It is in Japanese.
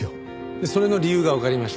でそれの理由がわかりました。